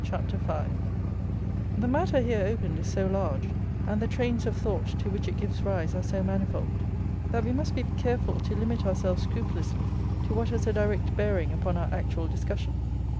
CHAPTER V The matter here opened is so large, and the trains of thought to which it gives rise are so manifold, that we must be careful to limit ourselves scrupulously to what has a direct bearing upon our actual discussion.